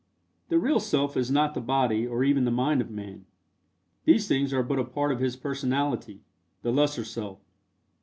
The real Self is not the body or even the mind of man. These things are but a part of his personality, the lesser self.